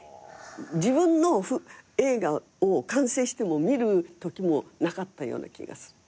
自分の映画を完成しても見るときもなかったような気がする。